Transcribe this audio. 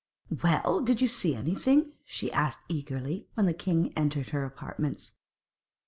'Well! did you see anything?' she asked eagerly, when the king entered her apartments.